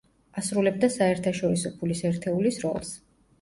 ასრულებდა საერთაშორისო ფულის ერთეულის როლს.